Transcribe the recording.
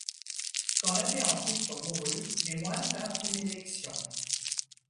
Quand l'abbé en titre mourut, les moines tinrent une élection.